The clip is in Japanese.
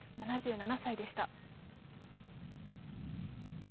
７７歳でした。